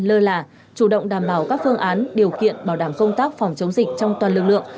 lơ là chủ động đảm bảo các phương án điều kiện bảo đảm công tác phòng chống dịch trong toàn lực lượng